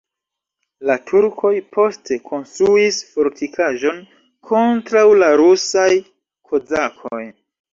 La turkoj poste konstruis fortikaĵon kontraŭ la rusaj kozakoj.